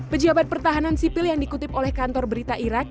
pejabat pertahanan sipil yang dikutip oleh kantor berita irak